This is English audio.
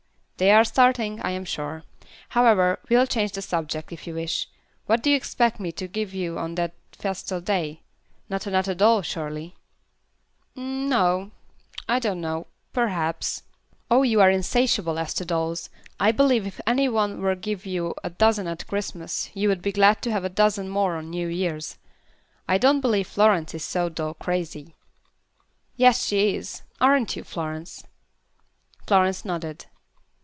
"They are starting, I am sure. However, we'll change the subject, if you wish. What do you expect me to give you on that festal day? Not another doll, surely?" "No I don't know perhaps." "Oh, you are insatiable as to dolls. I believe if any one were to give you a dozen at Christmas you would be glad to have a dozen more on New Years. I don't believe Florence is so doll crazy." "Yes, she is. Aren't you, Florence?" Florence nodded.